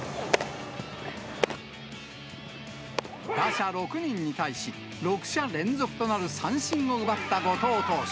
打者６人に対し、６者連続となる三振を奪った後藤投手。